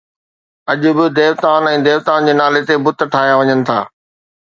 اڄ به ديوتائن ۽ ديوتائن جي نالي تي بت ٺاهيا وڃن ٿا